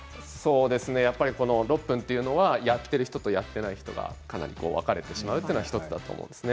６分というのはやっている人とやっていない人がかなり分かれてしまうということですよね。